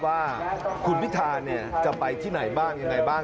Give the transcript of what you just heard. ว่าคุณพิธาจะไปที่ไหนบ้างยังไงบ้าง